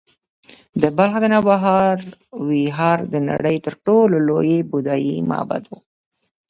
د بلخ د نوبهار ویهار د نړۍ تر ټولو لوی بودایي معبد و